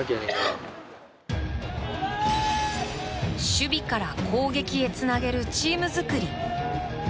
守備から攻撃へつなげるチーム作り。